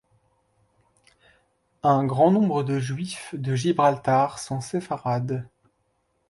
Un grand nombre de Juifs de Gibraltar sont séfarades.